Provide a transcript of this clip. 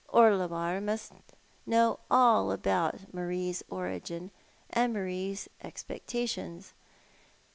Orlebar must know all about Marie's origin, and Marie's expectations.